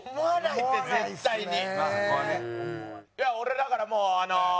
いや俺だからもう。